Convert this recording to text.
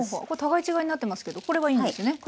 これ互い違いになってますけどこれはいいんですね。